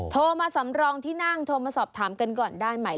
โทรมาสำรองที่นั่งโทรมาสอบถามกันก่อนได้ไหม